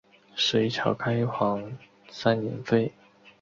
隋朝开皇三年废。